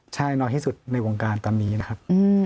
ใช่น้อยที่สุดในวงการตอนนี้นะครับ